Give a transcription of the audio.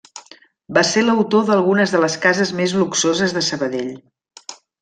Va ser l'autor d'algunes de les cases més luxoses de Sabadell.